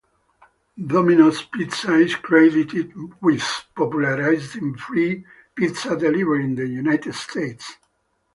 Domino's Pizza is credited with popularizing free pizza delivery in the United States.